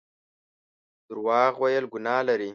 درواغ ويل ګناه لري